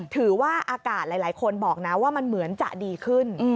ถือว่าอากาศหลายคนบอกนะว่ามันเหมือนจะดีขึ้น